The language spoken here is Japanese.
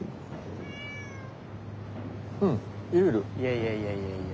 いやいやいやいや。